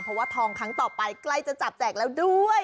เพราะว่าทองครั้งต่อไปใกล้จะจับแจกแล้วด้วย